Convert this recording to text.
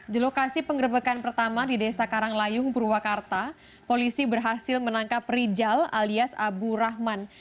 di lokasi pengerebekan pertama di desa karanglayung purwakarta polisi berhasil menangkap rijal alias abu rahman